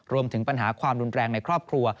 รวมถึงปัญหาความรุนแรงในครอบครัว